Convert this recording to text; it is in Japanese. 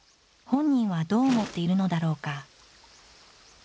本人はどう思っているのだろうか。